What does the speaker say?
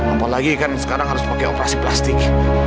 apalagi kan sekarang harus pakai operasi plastik